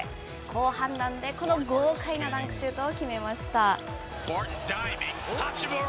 好判断でこの豪快なダンクシュートを決めました。